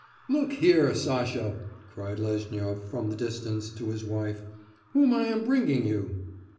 'Look here, Sasha,' cried Lezhnyov, from the distance, to his wife, 'whom I am bringing you.